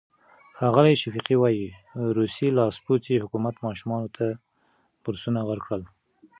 ښاغلی شفیقي وايي، روسي لاسپوڅي حکومت ماشومانو ته بورسونه ورکړل.